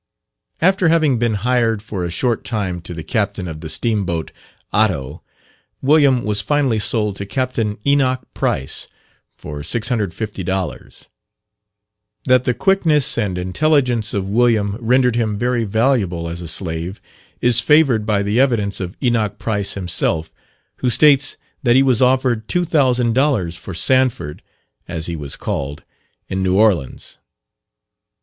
After having been hired for a short time to the captain of the steam boat Otto, William was finally sold to Captain Enoch Price for 650 dollars. That the quickness and intelligence of William rendered him very valuable as a slave, is favoured by the evidence of Enoch Price himself, who states that he was offered 2000 dollars for Sanford (as he was called), in New Orleans.